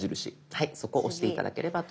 はいそこ押して頂ければと思います。